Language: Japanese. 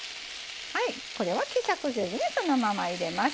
これは希釈せずにそのまま入れます。